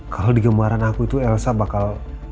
kalau dikembaran aku itu elsa bakal